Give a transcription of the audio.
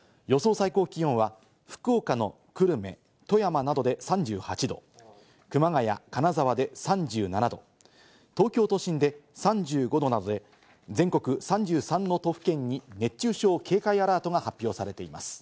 最高気温は福岡の久留米、富山などで３８度、熊谷、金沢で３７度、東京都心で３５度などで全国３３の都府県に熱中症警戒アラートが発表されています。